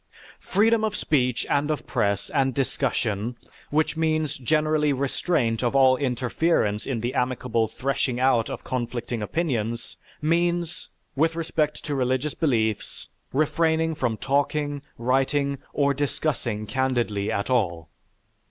Freedom of speech and of press and discussion which means generally restraint of all interference in the amicable threshing out of conflicting opinions, means, with respect to religious beliefs, refraining from talking, writing or discussing candidly at all.